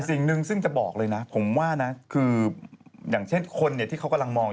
สิ่งหนึ่งซึ่งจะบอกเลยนะผมว่านะคืออย่างเช่นคนที่เขากำลังมอง